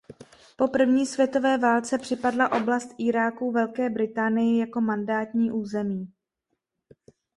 Po první světové válce připadla oblast Iráku Velké Británii jako mandátní území.